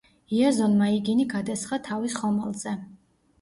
იაზონმა იგინი გადასხა თავის ხომალდზე.